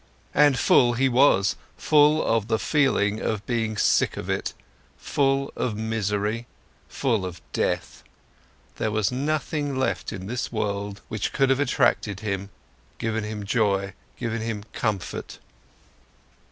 And full he was, full of the feeling of been sick of it, full of misery, full of death, there was nothing left in this world which could have attracted him, given him joy, given him comfort.